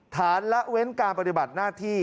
ละเว้นการปฏิบัติหน้าที่